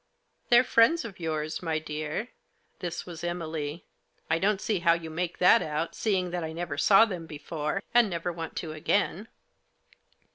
" They're friends of yours, my dear," This was Emily. " I don't see how you make that out, seeing that I never saw them before, and never want to again."